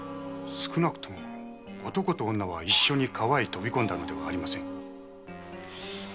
少なくとも男と女は一緒に川へ飛び込んだのではありません。